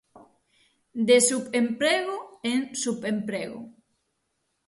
De subemprego en subemprego.